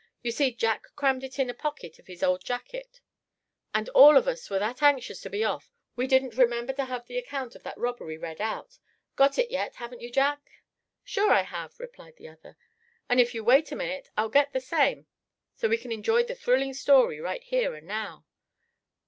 You see, Jack crammed it in a pocket of his old jacket; and all of us were that anxious to be off we didn't remember to have the account of the robbery read out. Got it yet, haven't you, Jack?" "Sure I have," replied the other, "and if you wait a minute I'll get the same, so we can enjoy the thrilling story right here and now.